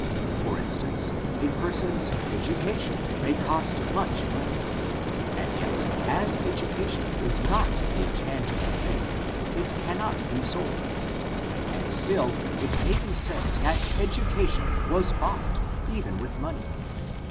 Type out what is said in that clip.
For instance, a person's education may cost much money J and yet, as education is not a tangible thing, it cannot be sold; and still it may be said that educa tion was boughij even with money.